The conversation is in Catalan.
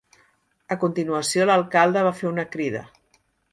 A continuació, l'alcalde va fer una crida.